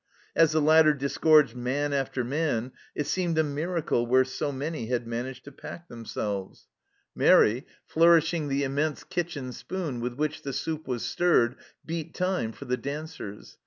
As the ladder disgorged man after man it seemed a miracle where so many had managed to pack themselves. 136 THE CELLAR HOUSE OF PERVYSE Mairi, flourishing the immense kitchen spoon with which the soup was stirred, beat time for the dancers.